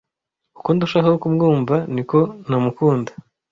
Uko ndushaho kumwumva, niko ntamukunda.